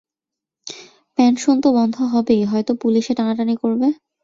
Pension তো বন্ধ হবেই, হয়তো পুলিসে টানাটানি করবে।